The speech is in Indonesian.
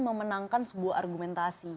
memenangkan sebuah argumentasi